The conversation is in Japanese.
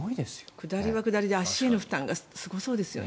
下りは下りで足への負担がすごそうですよね。